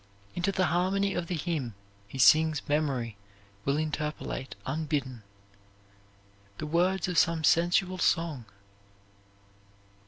Into the harmony of the hymn he sings memory will interpolate unbidden, the words of some sensual song.